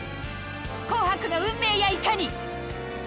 紅白の運命やいかに？